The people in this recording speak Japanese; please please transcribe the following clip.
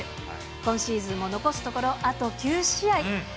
今シーズンも残すところあと９試合。